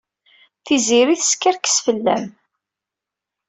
Tiziri teskerkes fell-am.